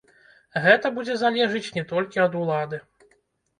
Гэта будзе залежыць не толькі ад улады.